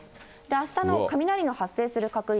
あしたの雷の発生する確率。